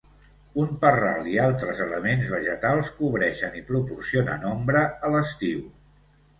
Un parral i altres elements vegetals cobreixen i proporcionen ombra a l'estiu.